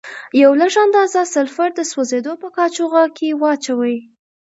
یوه لږه اندازه سلفر د سوځیدو په قاشوغه کې واچوئ.